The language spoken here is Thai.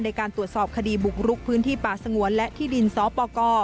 ในการตรวจสอบคดีบุกรุกพื้นที่ป่าสงวนและที่ดินสปก